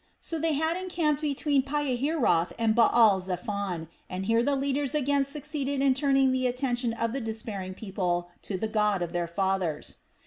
So they had encamped between Pihahiroth and Baal zephon, and here the leaders again succeeded in turning the attention of the despairing people to the God of their fathers.